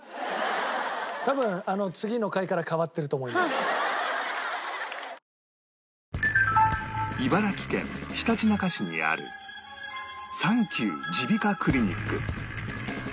多分茨城県ひたちなか市にあるサンキュー耳鼻科クリニック